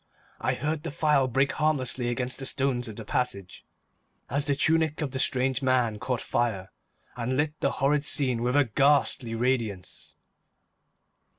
I heard the phial break harmlessly against the stones of the passage as the tunic of the strange man caught fire and lit the horrid scene with a ghastly radiance.